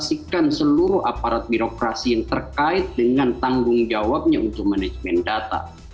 dan memperkenalkan seluruh aparat birokrasi yang terkait dengan tanggung jawabnya untuk manajemen data